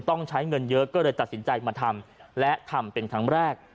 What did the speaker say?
ต้องใช้เงินเยอะก็เลยตัดสินใจมาทำและทำเป็นครั้งแรก